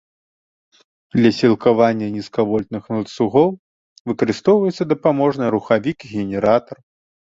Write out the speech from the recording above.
Для сілкавання нізкавольтных ланцугоў выкарыстоўваецца дапаможны рухавік-генератар.